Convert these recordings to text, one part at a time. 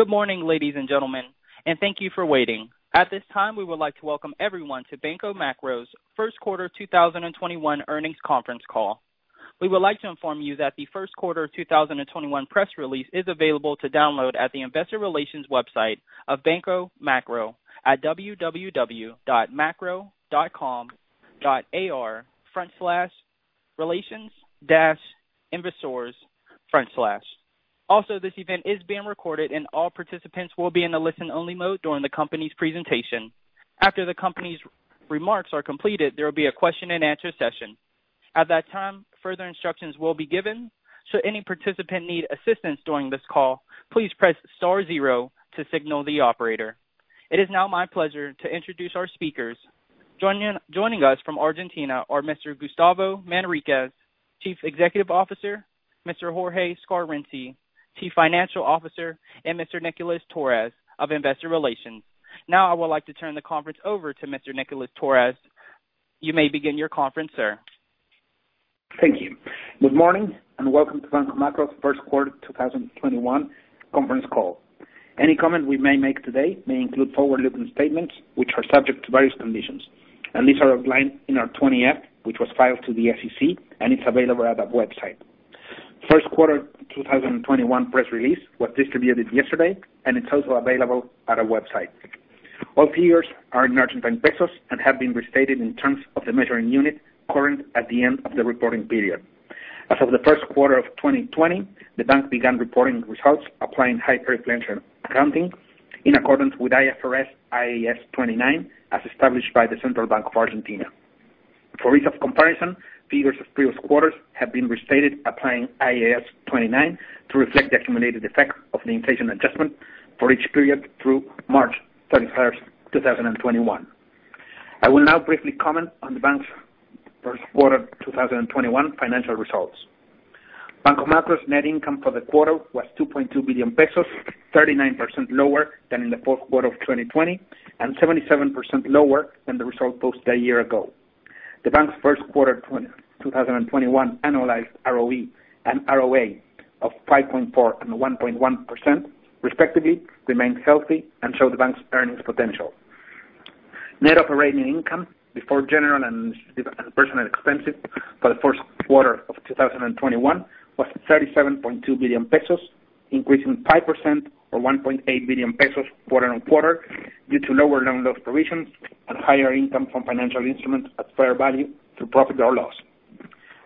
Good morning, ladies and gentlemen, and thank you for waiting. At this time, we would like to welcome everyone to Banco Macro's first quarter 2021 earnings conference call. We would like to inform you that the first quarter of 2021 press release is available to download at the investor relations website of Banco Macro at www.macro.com.ar/relations-investors/. Also, this event is being recorded, and all participants will be in a listen-only mode during the company's presentation. After the company's remarks are completed, there will be a question-and-answer session. At that time, further instructions will be given. So any participant need any assistance during this call please press star zero to signal the operator. It is now my pleasure to introduce our speakers. Joining us from Argentina are Mr. Gustavo Manriquez, Chief Executive Officer, Mr. Jorge Scarinci, Chief Financial Officer, and Mr. Nicolás Torres of Investor Relations. Now I would like to turn the conference over to Mr. Nicolás Torres. You may begin your conference, sir. Thank you. Good morning, and welcome to Banco Macro's first quarter 2021 conference call. Any comment we may make today may include forward-looking statements which are subject to various conditions, and these are outlined in our 20-F, which was filed to the SEC, and it's available at our website. First quarter 2021 press release was distributed yesterday, and it's also available at our website. All figures are in Argentine pesos and have been restated in terms of the measuring unit current at the end of the reporting period. As of the first quarter of 2020, the bank began reporting results applying hyperinflation accounting in accordance with IFRS IAS 29, as established by the Central Bank of Argentina. For ease of comparison, figures of previous quarters have been restated applying IAS 29 to reflect the accumulated effect of the inflation adjustment for each period through March 31st, 2021. I will now briefly comment on the bank's first quarter 2021 financial results. Banco Macro's net income for the quarter was 2.2 billion pesos, 39% lower than in the fourth quarter of 2020 and 77% lower than the result posted a year ago. The bank's first quarter 2021 annualized ROE and ROA of 5.4% and 1.1%, respectively, remain healthy and show the bank's earnings potential. Net operating income before general and personal expenses for the first quarter of 2021 was 37.2 billion pesos, increasing 5% or 1.8 billion pesos quarter-on-quarter due to lower loan loss provisions and higher income from financial instruments at fair value through profit or loss.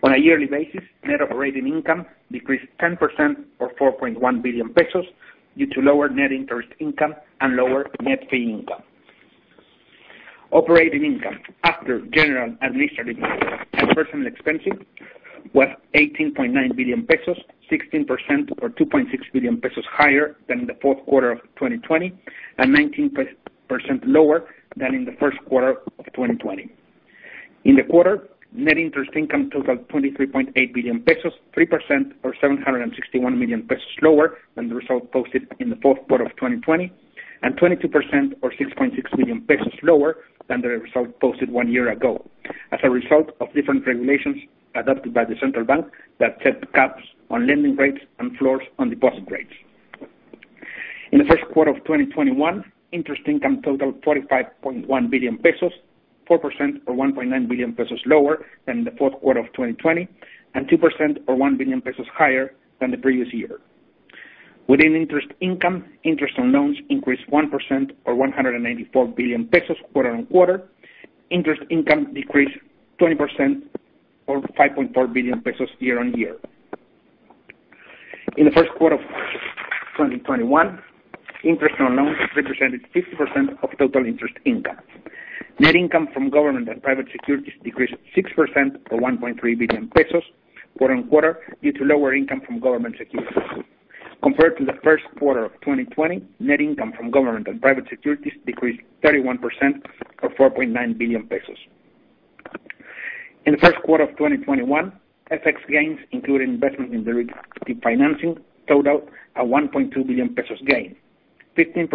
On a yearly basis, net operating income decreased 10% or 4.1 billion pesos due to lower net interest income and lower net fee income. Operating income after general, administrative, and personal expenses was 18.9 billion pesos, 16% or 2.6 billion pesos higher than the fourth quarter of 2020 and 19% lower than in the first quarter of 2020. In the quarter, net interest income totaled 23.8 billion pesos, 3% or 761 million pesos lower than the result posted in the fourth quarter of 2020 and 22% or 6.6 billion pesos lower than the result posted one year ago as a result of different regulations adopted by the Central Bank that set caps on lending rates and floors on deposit rates. In the first quarter of 2021, interest income totaled 45.1 billion pesos, 4% or 1.9 billion pesos lower than in the fourth quarter of 2020 and 2% or 1 billion pesos higher than the previous year. Within interest income, interest on loans increased 1% or 194 million pesos quarter-on-quarter. Interest income decreased 20% or 5.4 billion pesos year-on-year. In the first quarter of 2021, interest on loans represented 50% of total interest income. Net income from government and private securities decreased 6% or 1.3 billion pesos quarter-on-quarter due to lower income from government securities. Compared to the first quarter of 2020, net income from government and private securities decreased 31% or 4.9 billion pesos. In the first quarter of 2021, FX gains including investments in derivative financing totaled a 1.2 billion pesos gain, 15%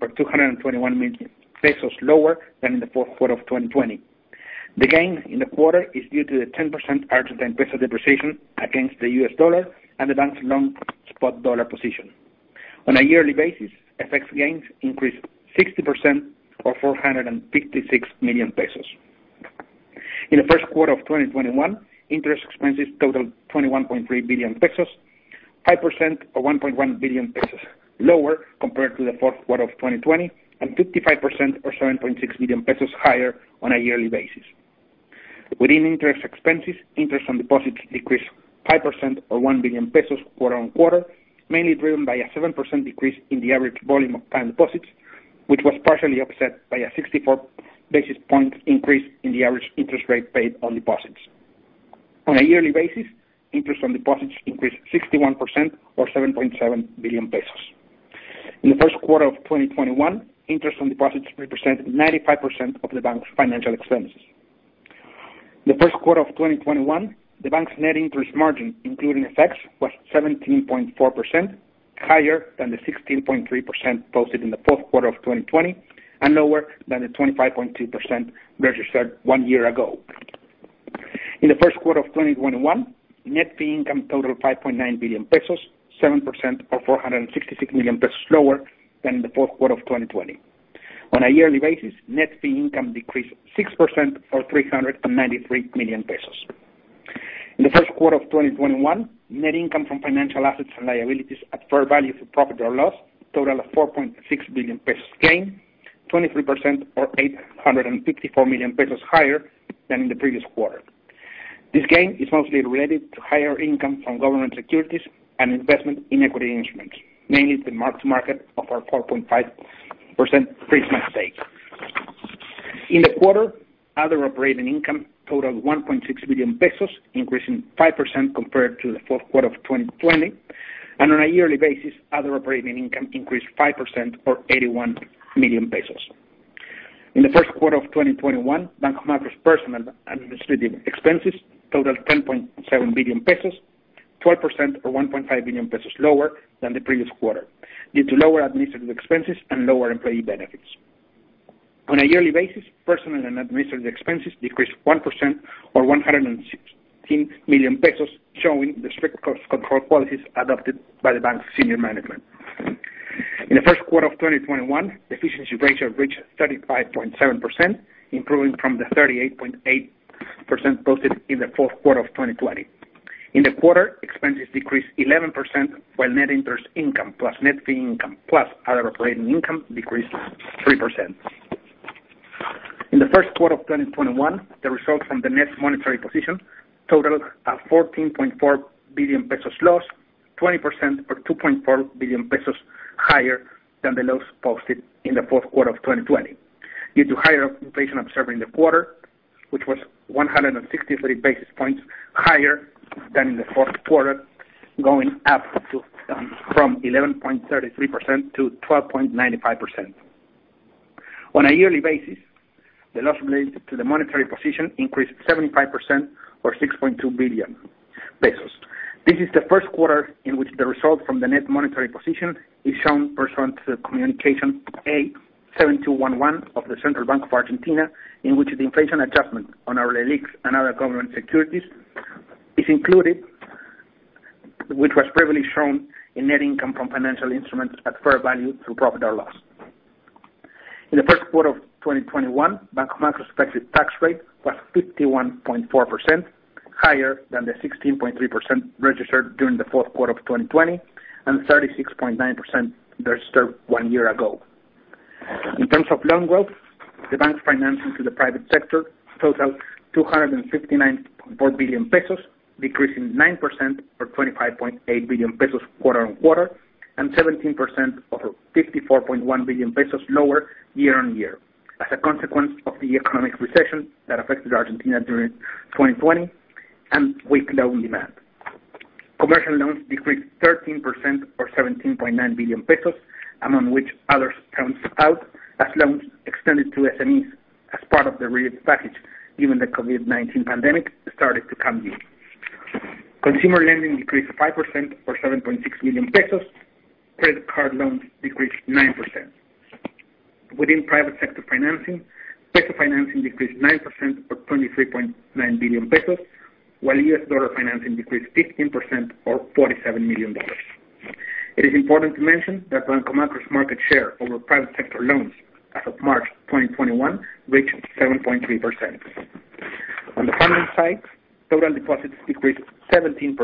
or 221 million pesos lower than in the fourth quarter of 2020. The gain in the quarter is due to the 10% Argentine peso depreciation against the U.S. dollar and the bank's long spot dollar position. On a yearly basis, FX gains increased 60% or 456 million pesos. In the first quarter of 2021, interest expenses totaled 21.3 billion pesos, 5% or 1.1 billion pesos lower compared to the fourth quarter of 2020 and 55% or 7.6 billion pesos higher on a yearly basis. Within interest expenses, interest on deposits decreased 5% or 1 billion pesos quarter-on-quarter, mainly driven by a 7% decrease in the average volume of time deposits, which was partially offset by a 64 basis point increase in the average interest rate paid on deposits. On a yearly basis, interest on deposits increased 61% or 7.7 billion pesos. In the first quarter of 2021, interest on deposits represented 95% of the bank's financial expenses. In the first quarter of 2021, the bank's net interest margin, including FX, was 17.4%, higher than the 16.3% posted in the fourth quarter of 2020 and lower than the 25.2% registered one year ago. In the first quarter of 2021, net fee income totaled 5.9 billion pesos, 7% or 466 million pesos lower than the fourth quarter of 2020. On a yearly basis, net fee income decreased 6% or 393 million pesos. In the first quarter of 2021, net income from financial assets and liabilities at fair value through profit or loss totaled 4.6 billion pesos gain, 23% or 854 million pesos higher than the previous quarter. This gain is mostly related to higher income from government securities and investment in equity instruments, mainly the market of our 4.5% Prisma stake. In the quarter, other operating income totaled 1.6 billion pesos, increasing 5% compared to the fourth quarter of 2020. On a yearly basis, other operating income increased 5% or 81 million pesos. In the first quarter of 2021, Banco Macro's personal and administrative expenses totaled 10.7 billion pesos, 12% or 1.5 billion pesos lower than the previous quarter, due to lower administrative expenses and lower employee benefits. On a yearly basis, personal and administrative expenses decreased 1% or 116 million pesos, showing the strict cost control policies adopted by the bank's senior management. In the first quarter of 2021, efficiency ratio reached 35.7%, improving from the 38.8% posted in the fourth quarter of 2020. In the quarter, expenses decreased 11%, while net interest income plus net fee income plus other operating income decreased 3%. In the first quarter of 2021, the results from the net monetary position totaled a 14.4 billion pesos loss, 20% or 2.4 billion pesos higher than the loss posted in the fourth quarter of 2020 due to higher inflation observed in the quarter, which was 163 basis points higher than the fourth quarter, going up from 11.33% to 12.95%. On a yearly basis, the loss related to the monetary position increased 75% or 6.2 billion pesos. This is the first quarter in which the result from the net monetary position is shown pursuant to Communication A 7211 of the Central Bank of Argentina, in which the inflation adjustment on our LELIQs and other government securities is included, which was previously shown in net income from financial instruments at fair value through profit or loss. In the first quarter of 2021, Banco Macro's prospective tax rate was 51.4%, higher than the 16.3% registered during the fourth quarter of 2020 and the 36.9% registered one year ago. In terms of loan growth, the bank's financing to the private sector totaled 259.4 billion pesos, decreasing 9% or 25.8 billion pesos quarter-on-quarter, and 17% or 54.1 billion pesos lower year-on-year as a consequence of the economic recession that affected Argentina during 2020 and with low demand. Commercial loans decreased 13% or 17.9 billion pesos, among which others comes out as loans extended to SMEs as part of the relief package given the COVID-19 pandemic started to come in. Consumer lending decreased 5% or 7.6 billion pesos. Credit card loans decreased 9%. Within private sector financing, peso financing decreased 9% or 23.9 billion pesos, while U.S. dollar financing decreased 15% or $47 million. It is important to mention that Banco Macro's market share over private sector loans as of March 2021 reached 7.3%. On the funding side, total deposits decreased 17%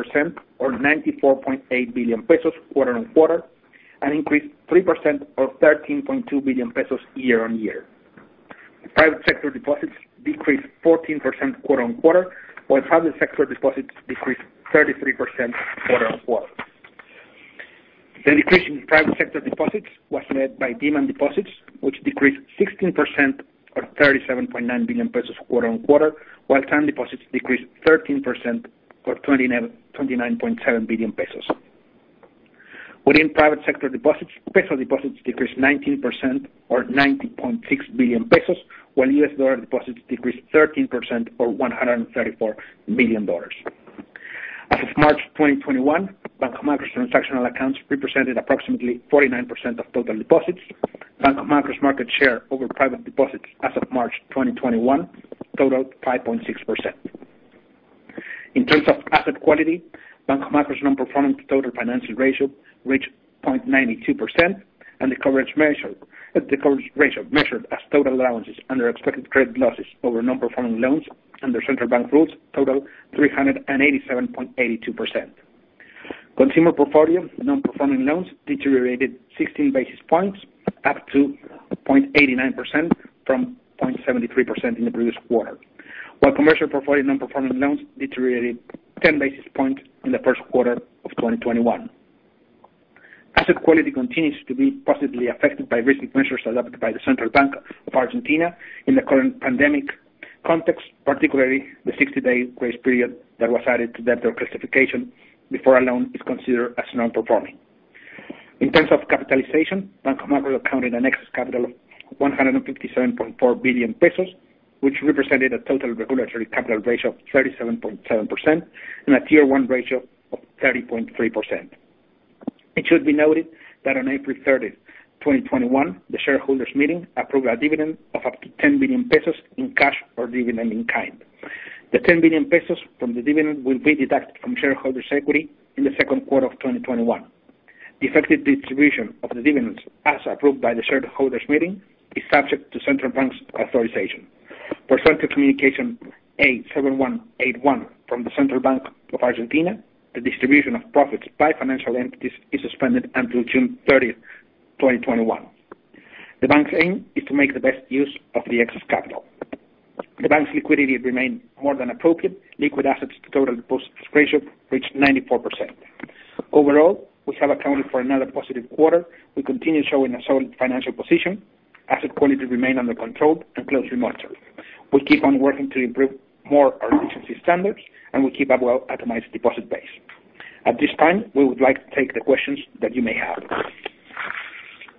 or 94.8 billion pesos quarter-on-quarter, and increased 3% or 13.2 billion pesos year-on-year. The private sector deposits decreased 14% quarter-on-quarter, while public sector deposits decreased 33% quarter-on-quarter. The decrease in private sector deposits was led by demand deposits, which decreased 16% or 37.9 billion pesos quarter-on-quarter, while time deposits decreased 13% or 29.7 billion pesos. Within private sector deposits, peso deposits decreased 19% or 90.6 billion pesos, while U.S. dollar deposits decreased 13% or ARS 134 million. As of March 2021, Banco Macro's transactional accounts represented approximately 49% of total deposits. Banco Macro's market share over private deposits as of March 2021 totaled 5.6%. In terms of asset quality, Banco Macro's non-performing to total financial ratio reached 0.92%, and the coverage ratio measured as total allowances under expected credit losses over non-performing loans under Central Bank of Argentina rules totaled 387.82%. Consumer portfolio non-performing loans deteriorated 16 basis points up to 0.89% from 0.73% in the previous quarter, while commercial portfolio non-performing loans deteriorated 10 basis points in the first quarter of 2021. Asset quality continues to be positively affected by risk measures adopted by the Central Bank of Argentina in the current pandemic context, particularly the 60-day grace period that was added to debt classification before a loan is considered as non-performing. In terms of capitalization, Banco Macro accounted an excess capital of 157.4 billion pesos, which represented a total regulatory capital ratio of 37.7%, and a Tier 1 ratio of 30.3%. It should be noted that on April 30th, 2021, the shareholders meeting approved a dividend of up to 10 billion pesos in cash or dividend in kind. The 10 billion pesos from the dividend will be deducted from shareholders' equity in the second quarter of 2021. The effective distribution of the dividends as approved by the shareholders meeting is subject to Central Bank's authorization. Pursuant to Communication A 7181 from the Central Bank of Argentina, the distribution of profits by financial entities is suspended until June 30th, 2021. The bank's aim is to make the best use of the excess capital. The bank's liquidity remained more than appropriate. Liquid assets to total deposits ratio reached 94%. Overall, we have accounted for another positive quarter. We continue showing a solid financial position, asset quality remained under control, and closely monitored. We keep on working to improve more our efficiency standards, and we keep a well-optimized deposit base. At this time, we would like to take the questions that you may have.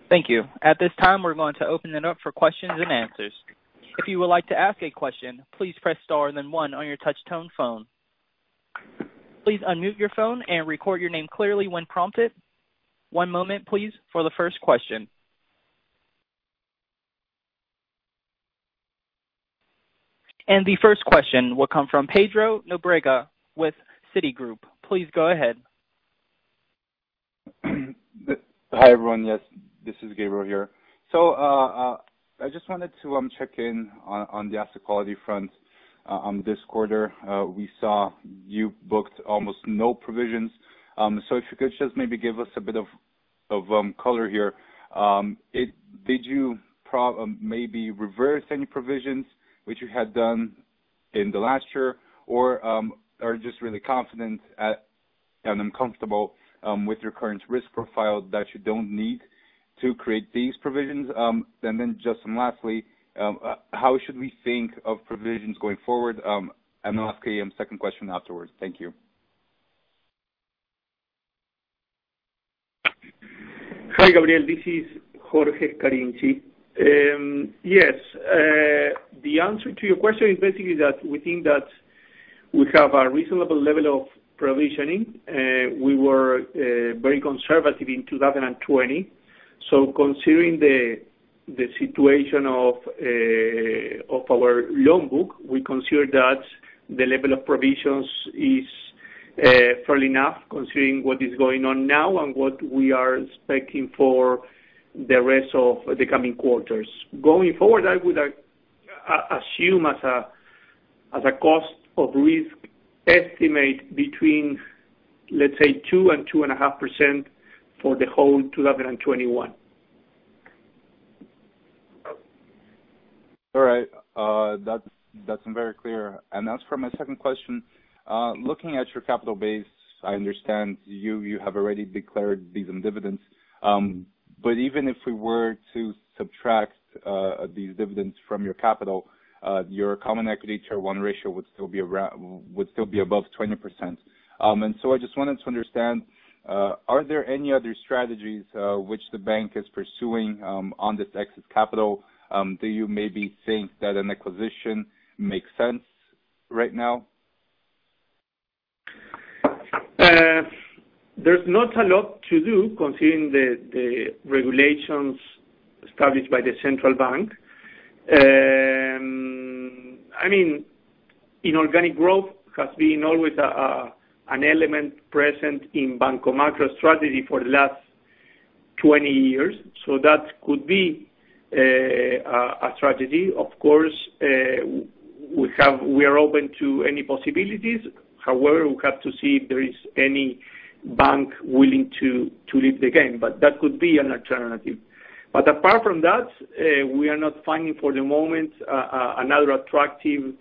Thank you. At this time, we're going to open it up for questions and answers. If you would like to ask a question, please press star then one on your touch tone phone. Please unmute your phone and record your name clearly when prompted. One moment please for the first question. The first question will come from Pedro Nobrega with Citigroup. Please go ahead. Hi, everyone. Yes, this is Gabriel here. I just wanted to check in on the asset quality front. This quarter, we saw you booked almost no provisions. If you could just maybe give us a bit of color here. Did you maybe reverse any provisions which you had done in the last year, or are just really confident and uncomfortable with your current risk profile that you don't need to create these provisions? Just lastly, how should we think of provisions going forward? I'll ask you a second question afterwards. Thank you. Hi, Gabriel. This is Jorge Scarinci. The answer to your question is basically that we think that we have a reasonable level of provisioning. We were very conservative in 2020. Considering the situation of our loan book, we consider that the level of provisions is fair enough considering what is going on now and what we are expecting for the rest of the coming quarters. Going forward, I would assume as a cost of risk estimate between, let's say, 2% and 2.5% for the whole 2021. All right. That's very clear. As for my second question, looking at your capital base, I understand you have already declared these in dividends. Even if we were to subtract these dividends from your capital, your common equity Tier 1 ratio would still be above 20%. I just wanted to understand, are there any other strategies which the bank is pursuing on this excess capital? Do you maybe think that an acquisition makes sense right now? There's not a lot to do considering the regulations established by the Central Bank. Organic growth has been always an element present in Banco Macro strategy for the last 20 years. That could be a strategy. Of course, we are open to any possibilities. However, we have to see if there is any bank willing to leave the game. That could be an alternative. Apart from that, we are not finding for the moment another attractive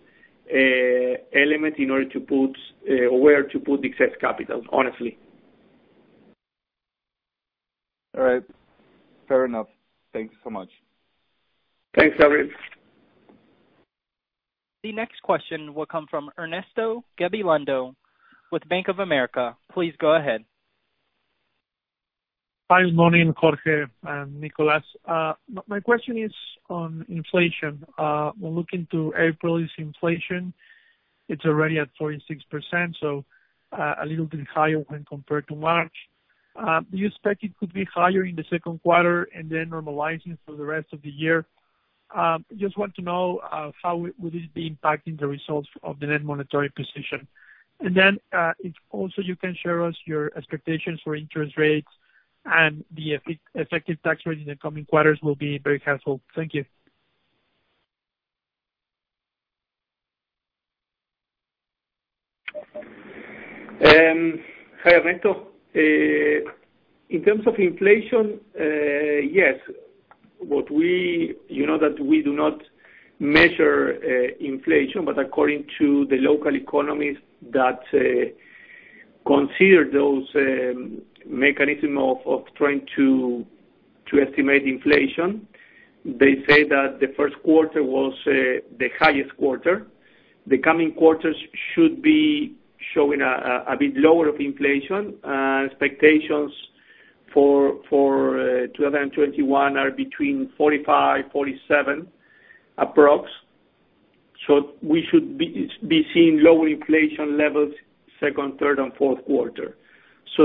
element in order to put where to put the excess capital, honestly. All right. Fair enough. Thank you so much. Thanks, Gabriel. The next question will come from Ernesto Gabilondo with Bank of America. Please go ahead. Hi, morning, Jorge and Nicolás. My question is on inflation. Looking to April's inflation, it's already at 46%, so a little bit higher when compared to March. Do you expect it could be higher in the second quarter and then normalizing for the rest of the year? I just want to know how it will be impacting the results of the net monetary position. If also you can share us your expectations for interest rates and the effective tax rate in the coming quarters will be very helpful. Thank you. Hi, Ernesto. In terms of inflation, yes. You know that we do not measure inflation, but according to the local economists that consider those mechanism of trying to estimate inflation, they say that the first quarter was the highest quarter. The coming quarters should be showing a bit lower of inflation. Expectations for 2021 are between 45%-47% approx. We should be seeing lower inflation levels second, third, and fourth quarter.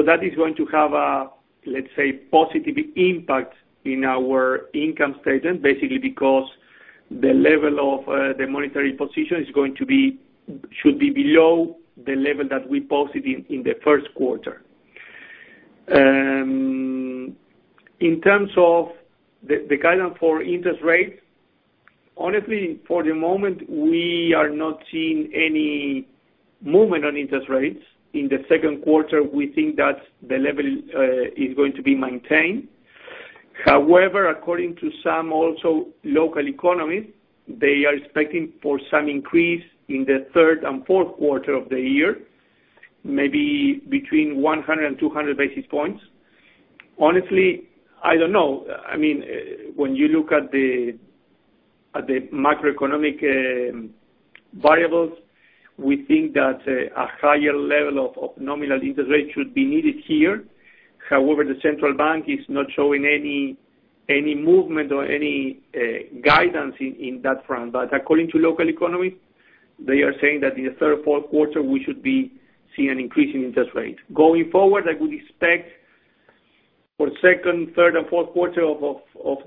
That is going to have a, let's say, positive impact in our income statement, basically because the level of the monetary position should be below the level that we posted in the first quarter. In terms of the guidance for interest rates, honestly, for the moment, we are not seeing any movement on interest rates. In the second quarter, we think that the level is going to be maintained. However, according to some also local economists, they are expecting for some increase in the third and fourth quarter of the year, maybe between 100 and 200 basis points. Honestly, I don't know. When you look at the macroeconomic variables, we think that a higher level of nominal interest rates should be needed here. However, the Central Bank is not showing any movement or any guidance in that front. According to local economists, they are saying that in the third or fourth quarter, we should be seeing an increase in interest rates. Going forward, I would expect for second, third, and fourth quarter of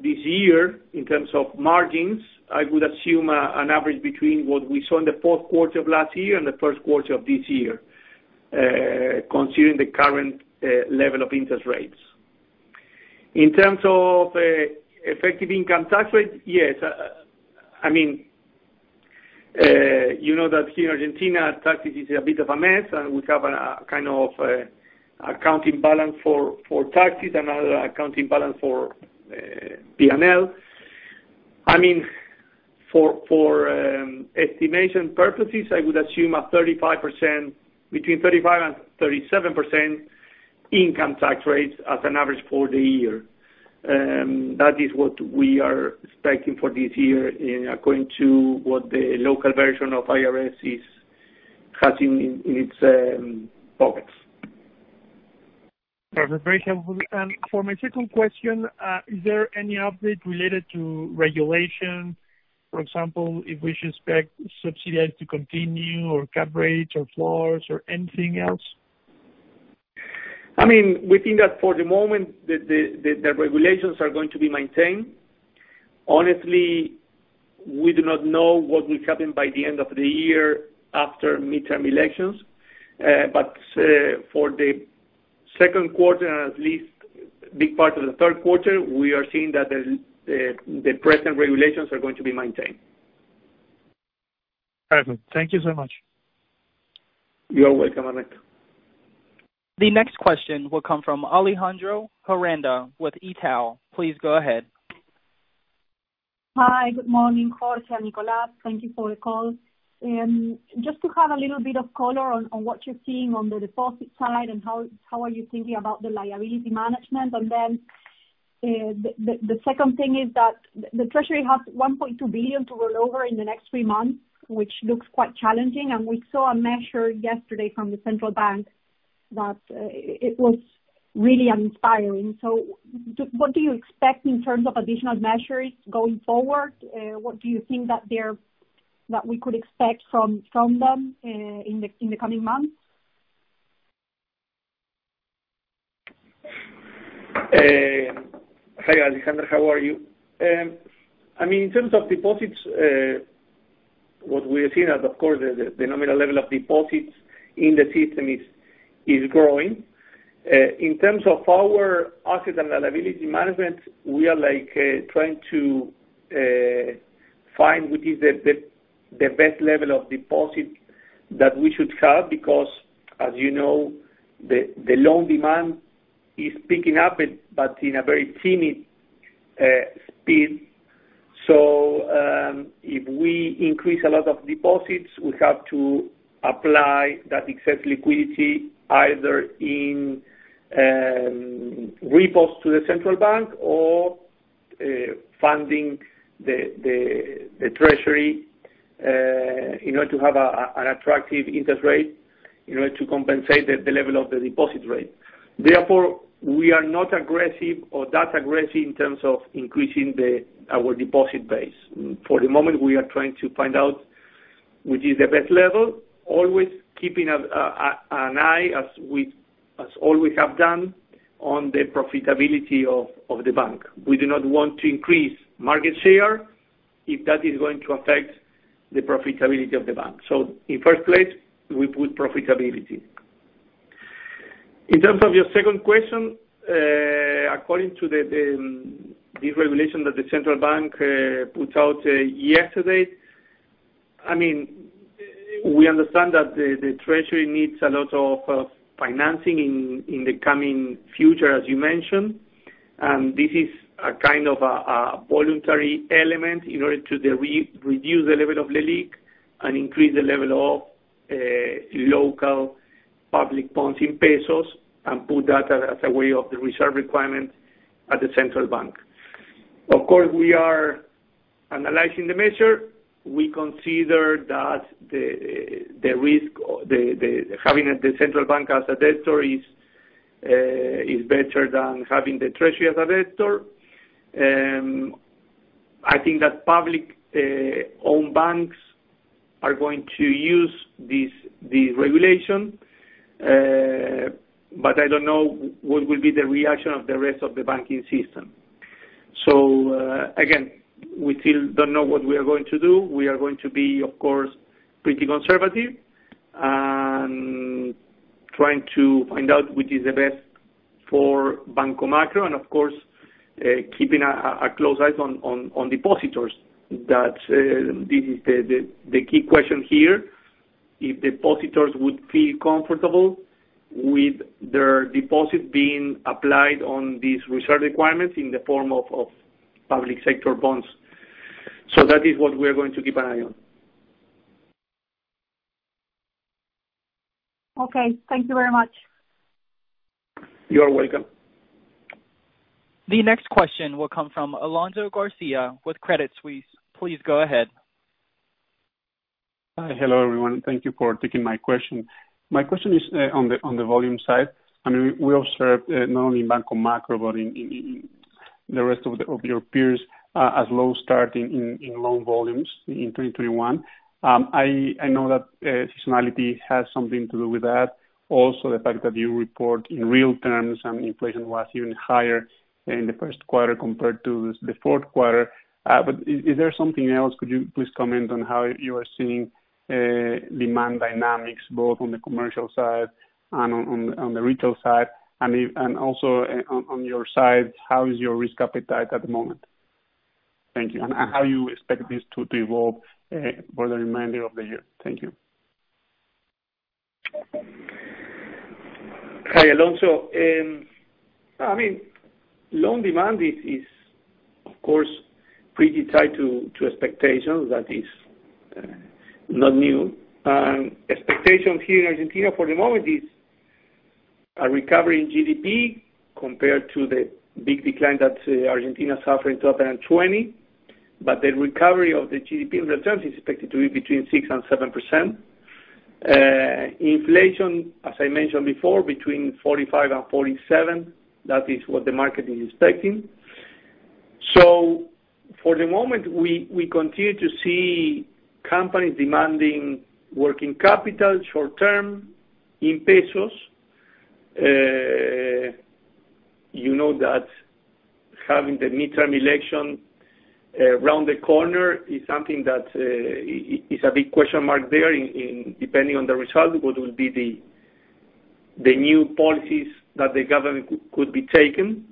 this year, in terms of margins, I would assume an average between what we saw in the fourth quarter of last year and the first quarter of this year, considering the current level of interest rates. In terms of effective income tax rate, yes. You know that here in Argentina, tax is a bit of a mess, and we have a kind of accounting balance for taxes and another accounting balance for P&L. For estimation purposes, I would assume between 35% and 37% income tax rates as an average for the year. That is what we are expecting for this year according to what the local version of IRS has in its pockets. That's very helpful. For my second question, is there any update related to regulation? For example, if we should expect subsidies to continue or cut rates or floors or anything else? We think that for the moment, the regulations are going to be maintained. Honestly, we do not know what will happen by the end of the year after midterm elections. For the second quarter, and at least a big part of the third quarter, we are seeing that the present regulations are going to be maintained. Very good. Thank you so much. You're welcome, Ernesto. The next question will come from Alejandro Herenda with Itaú. Please go ahead. Hi, good morning Jorge and Nicolás. Thank you for the call. Just to have a little bit of color on what you're seeing on the deposit side and how are you thinking about the liability management. The second thing is that the Treasury has 1.2 billion to roll over in the next three months, which looks quite challenging. We saw a measure yesterday from the Central Bank that it was really uninspiring. What do you expect in terms of additional measures going forward? What do you think that we could expect from them in the coming months? Hi, Alejandro. How are you? In terms of deposits, what we are seeing is, of course, the nominal level of deposits in the system is growing. In terms of our asset and liability management, we are trying to find what is the best level of deposit that we should have, because as you know, the loan demand is picking up, but in a very tiny speed. If we increase a lot of deposits, we have to apply that excess liquidity either in repos to the Central Bank of Argentina or funding the treasury in order to have an attractive interest rate in order to compensate the level of the deposit rate. Therefore, we are not aggressive or that aggressive in terms of increasing our deposit base. For the moment, we are trying to find out what is the best level, always keeping an eye, as all we have done, on the profitability of the bank. We do not want to increase market share if that is going to affect the profitability of the bank. In the first place, we put profitability. In terms of your second question, according to the regulation that the Central Bank put out yesterday, we understand that the treasury needs a lot of financing in the coming future, as you mentioned. This is a kind of a voluntary element in order to reduce the level of LELIQ and increase the level of local public bonds in pesos and put that as a way of the reserve requirement at the Central Bank. Of course, we are analyzing the measure. We consider that having the Central Bank as a debtor is better than having the treasury as a debtor. I think that public-owned banks are going to use this deregulation, but I don't know what will be the reaction of the rest of the banking system. Again, we still don't know what we are going to do. We are going to be, of course, pretty conservative and trying to find out which is the best for Banco Macro and, of course, keeping a close eye on depositors. That this is the key question here, if depositors would feel comfortable with their deposit being applied on these reserve requirements in the form of public sector bonds. That is what we are going to keep an eye on. Okay. Thank you very much. You are welcome. The next question will come from Alonso García with Credit Suisse. Please go ahead. Hello, everyone. Thank you for taking my question. My question is on the volume side, and we observed not only in Banco Macro, but in the rest of your peers, a low start in loan volumes in 2021. I know that seasonality has something to do with that. Also, the fact that you report in real terms and inflation was even higher in the first quarter compared to the fourth quarter. Is there something else? Could you please comment on how you are seeing demand dynamics both on the commercial side and on the retail side? Also, on your side, how is your risk appetite at the moment? Thank you. How you expect this to evolve for the remainder of the year? Thank you. Hi, Alonso. Loan demand is, of course, pretty tied to expectations. That is not new. Expectation here in Argentina for the moment is a recovery in GDP compared to the big decline that Argentina suffered in 2020. The recovery of the GDP in return is expected to be between 6% and 7%. Inflation, as I mentioned before, between 45% and 47%. That is what the market is expecting. For the moment, we continue to see companies demanding working capital short-term in pesos. You know that having the midterm election around the corner is something that is a big question mark there, depending on the result, what will be the new policies that the government could be taking.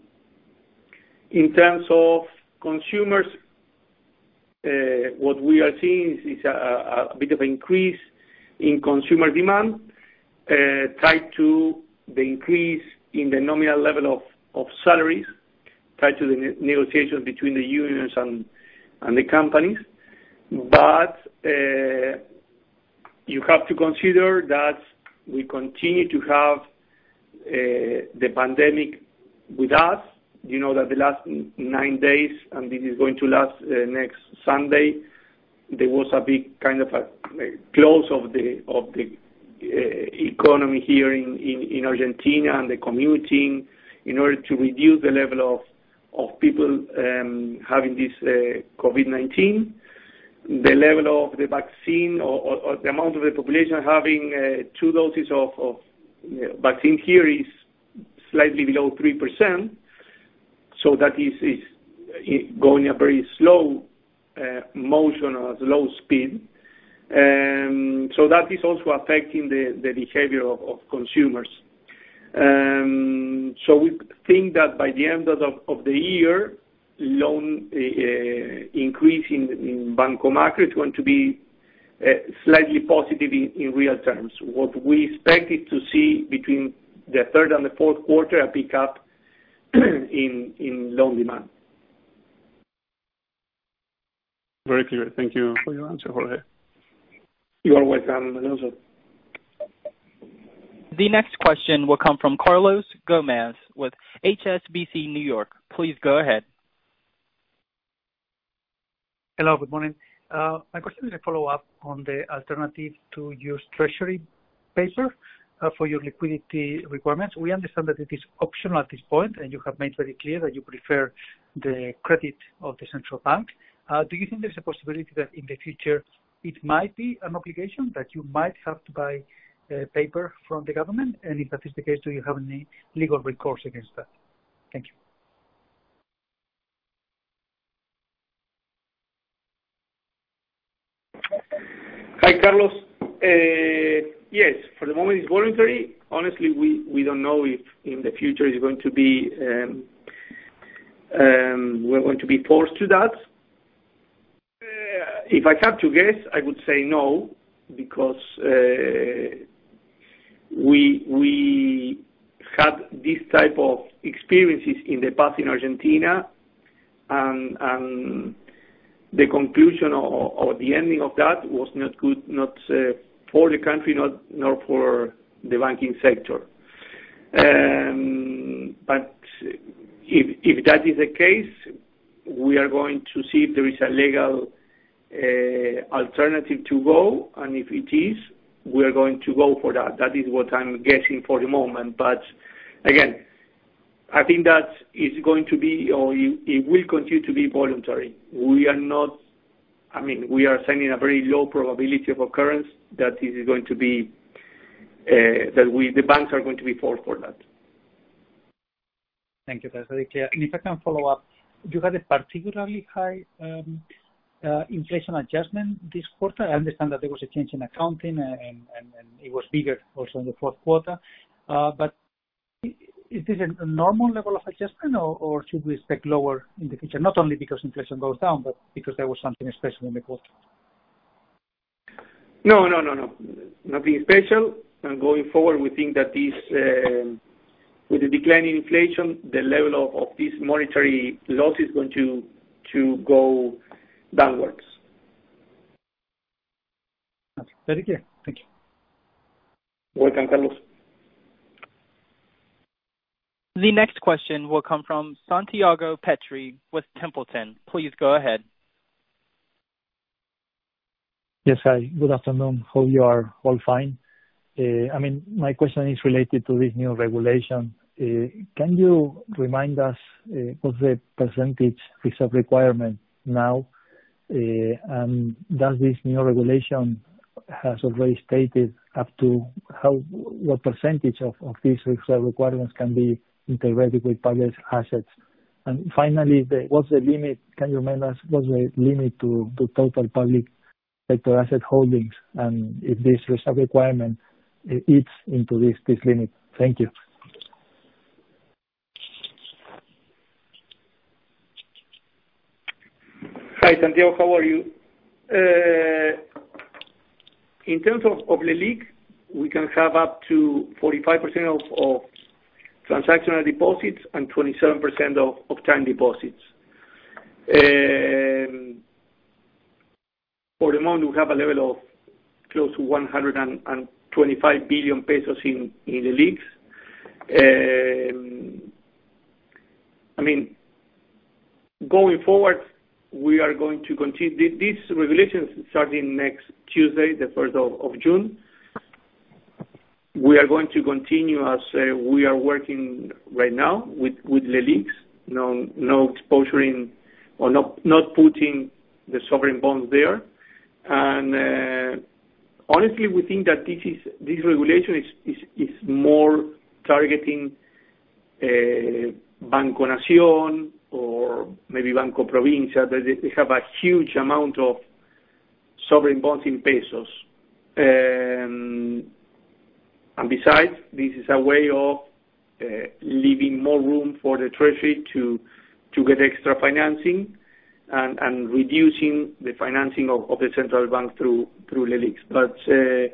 In terms of consumers, what we are seeing is a bit of increase in consumer demand tied to the increase in the nominal level of salaries, tied to the negotiation between the unions and the companies. You have to consider that we continue to have the pandemic with us. You know that the last nine days, and this is going to last next Sunday, there was a big close of the economy here in Argentina and the commuting in order to reduce the level of people having this COVID-19. The level of the vaccine or the amount of the population having two doses of vaccine here is slightly below 3%. That is going a very slow motion or low speed. That is also affecting the behavior of consumers. We think that by the end of the year, loan increase in Banco Macro is going to be slightly positive in real terms. What we expected to see between the third and the fourth quarter, a pick-up in loan demand. Very clear. Thank you for your answer, Jorge. You are welcome, Alonso. The next question will come from Carlos Gomez with HSBC New York. Please go ahead. Hello, good morning. My question is a follow-up on the alternative to use Treasury paper for your liquidity requirements. We understand that it is optional at this point, and you have made very clear that you prefer the credit of the Central Bank. Do you think there's a possibility that in the future it might be an obligation that you might have to buy paper from the government? If that is the case, do you have any legal recourse against that? Thank you. Hi, Carlos. Yes, for the moment, it's voluntary. Honestly, we don't know if in the future we're going to be forced to that. If I have to guess, I would say no, because we had these type of experiences in the past in Argentina, and the conclusion or the ending of that was not good, not for the country, not for the banking sector. If that is the case, we are going to see if there is a legal alternative to go, and if it is, we are going to go for that. That is what I'm guessing for the moment. Again, I think that it will continue to be voluntary. We are assigning a very low probability of occurrence that the banks are going to be forced for that. Thank you. If I can follow up, you had a particularly high inflation adjustment this quarter. I understand that there was a change in accounting, and it was bigger also in the fourth quarter. Is it a normal level of adjustment or should we expect lower in the future, not only because inflation goes down but because there was something special in the quarter? No. Nothing special. Going forward, we think that with the declining inflation, the level of this monetary loss is going to go downwards. Very clear. Thank you. Welcome, Carlos. The next question will come from Santiago Petri with Templeton. Please go ahead. Yes. Hi. Good afternoon. Hope you are all fine. My question is related to this new regulation. Can you remind us what the percentage reserve requirement now, and does this new regulation has already stated what percentage of these reserve requirements can be integrated with public assets? Finally, can you remind us what the limit to total public sector asset holdings and if this reserve requirement eats into this limit? Thank you. Hi, Santiago. How are you? In terms of LELIQ, we can have up to 45% of transactional deposits and 27% of time deposits. For the moment, we have a level of close to 125 billion pesos in the LELIQs. Going forward, these regulations starting next Tuesday, the 3rd of June. We are going to continue as we are working right now with LELIQs, not putting the sovereign bonds there. Honestly, we think that this regulation is more targeting Banco Nación or maybe Banco Provincia. They have a huge amount of sovereign bonds in pesos. Besides, this is a way of leaving more room for the treasury to get extra financing and reducing the financing of the Central Bank through LELIQs.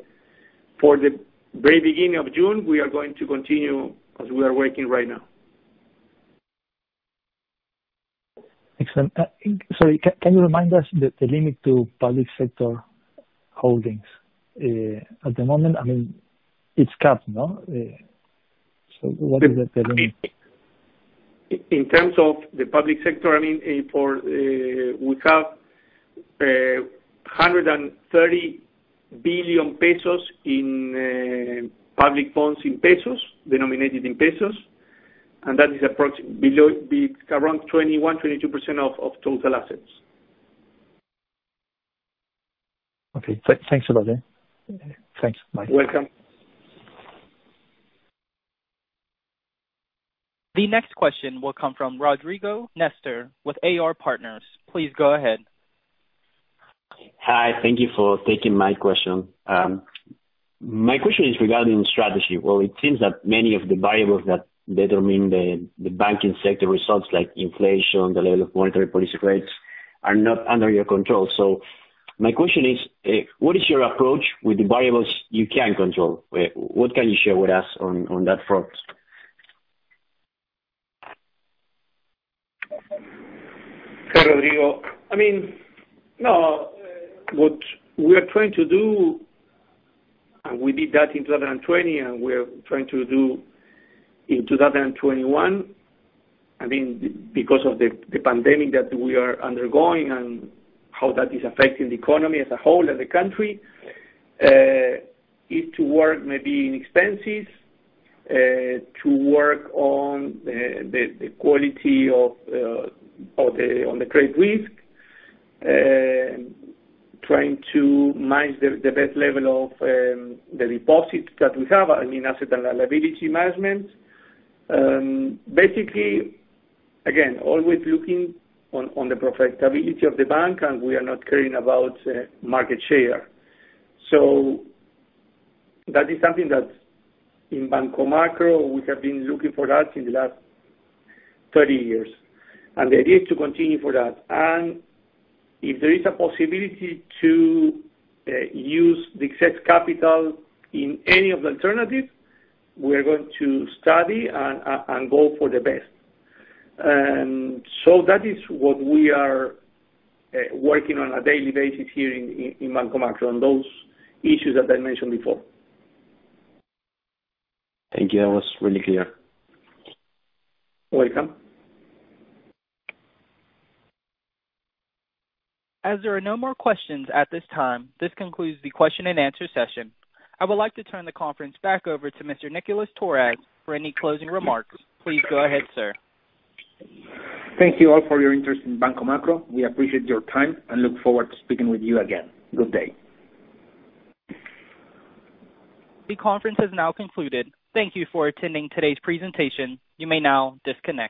For the very beginning of June, we are going to continue as we are working right now. Sorry. Can you remind us the limit to public sector holdings? At the moment, it's capped, no? What is the limit? In terms of the public sector, we have 130 billion pesos in public bonds in pesos, denominated in pesos. That is around 21%, 22% of total assets. Okay. Thanks a lot then. Thanks. Bye. You're welcome. The next question will come from Rodrigo Nistor with AR Partners. Please go ahead. Hi. Thank you for taking my question. My question is regarding strategy. Well, it seems that many of the variables that determine the banking sector results like inflation, the level of monetary policy rates, are not under your control. My question is, what is your approach with the variables you can control? What can you share with us on that front? Hi, Rodrigo. What we are trying to do, and we did that in 2020, and we are trying to do in 2021, because of the pandemic that we are undergoing and how that is affecting the economy as a whole and the country, is to work maybe in expenses, to work on the quality on the credit risk, trying to manage the best level of the deposits that we have, asset and liability management. Basically, again, always looking on the profitability of the bank, and we are not caring about market share. That is something that in Banco Macro, we have been looking for that in the last 30 years. The idea is to continue for that. If there is a possibility to use the excess capital in any of the alternatives, we are going to study and go for the best. That is what we are working on a daily basis here in Banco Macro on those issues that I mentioned before. Thank you. That was really clear. Welcome. As there are no more questions at this time, this concludes the question and answer session. I would like to turn the conference back over to Mr. Nicolás Torres for any closing remarks. Please go ahead, sir. Thank you all for your interest in Banco Macro. We appreciate your time and look forward to speaking with you again. Good day. The conference has now concluded. Thank you for attending today's presentation. You may now disconnect.